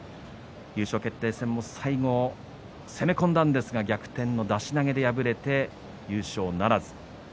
優勝決定戦も最後攻め込んだんですが逆転の出し投げで敗れて優勝ならず。